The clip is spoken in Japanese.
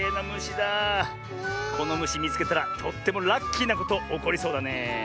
このむしみつけたらとってもラッキーなことおこりそうだねえ。